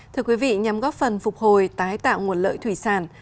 thưa quý vị nhằm góp phần phục hồi tái tạo nguồn lợi thủy sản